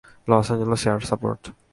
Loss Angeles air support?